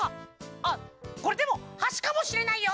あこれでもはしかもしれないよ！